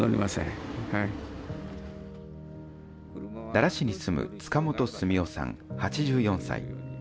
奈良市に住む塚本澄雄さん８４歳。